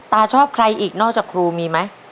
ชอบใครอีกนอกจากครูมีไหม